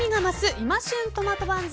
今旬トマト番付。